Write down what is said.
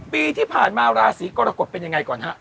ปีที่ผ่านมาราศีกรกฎเป็นยังไงก่อนฮะ